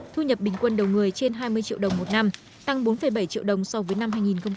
thu nhập bình quân đầu người trên hai mươi triệu đồng một năm tăng bốn bảy triệu đồng so với năm hai nghìn một mươi